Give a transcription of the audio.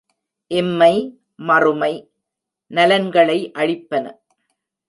இம்மை, மறுமை நலன்களை அளிப்பன.